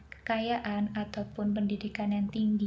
kekayaan ataupun pendidikan yang tinggi